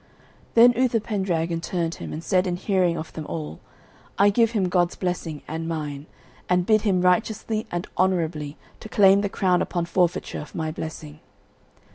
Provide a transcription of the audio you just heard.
Then Uther Pendragon turned him and said in hearing of them all, "I give him God's blessing and mine, and bid him righteously and honourably to claim the crown upon forfeiture of my blessing."